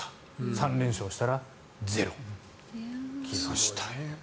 ３連勝したら０。来ましたよ。